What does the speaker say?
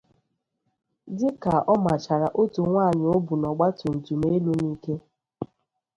dịka ọ machara otu nwaanyị o bu n'ọgbaatumtum elu n'ike.